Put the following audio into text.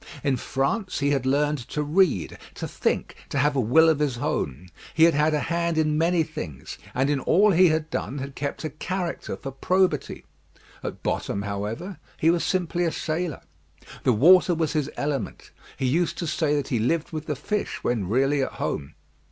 In France he had learned to read, to think, to have a will of his own. He had had a hand in many things, and in all he had done had kept a character for probity. At bottom, however, he was simply a sailor. The water was his element; he used to say that he lived with the fish when really at home.